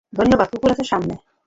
ধন্যবাদ কুকুর আছে, সামলে।